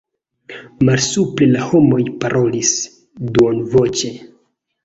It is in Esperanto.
Malsupre la homoj parolis duonvoĉe.